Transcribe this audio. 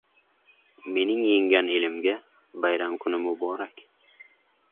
Mening yenggan elimga bayram kuni muborak